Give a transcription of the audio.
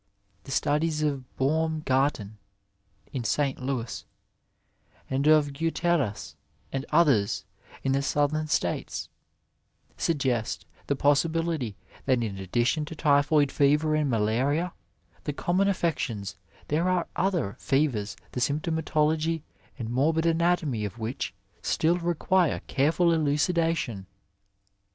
The studies of Baumgarten in St. Louis, and of Guit6ras and others in the Southern States, suggest the possibility that in addition to typhoid fever and malaria — ^the common affections — ^there are other fevers the symptomatology and morbid anatomy of which stiU require careful elucidation.